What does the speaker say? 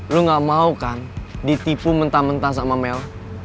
lu gak mau kan ditipu mentah mentah sama mel